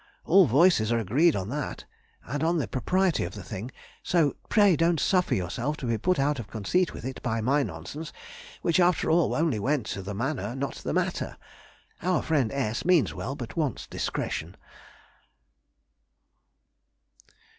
All voices are agreed on that, and on the propriety of the thing, so pray don't suffer yourself to be put out of conceit with it by my nonsense, which after all only went to the manner, not the matter. Our friend S. means well, but wants discretion.